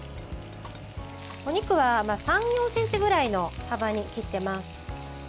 お肉は３４ｃｍぐらいの幅に切っています。